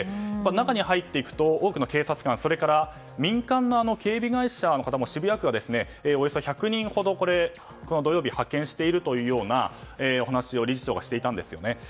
中に入っていくと多くの警察官それに民間の警備会社の方も渋谷区はおよそ１００人ほどこの土曜日派遣しているというようなお話を理事長がしていました。